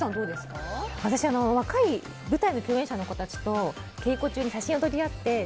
私は若い舞台の稽古中の子たちと稽古中に写真を撮り合って。